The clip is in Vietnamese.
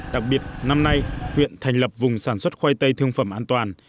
đặc biệt năm nay huyện thành lập vùng sản xuất khoai tây thương phẩm an toàn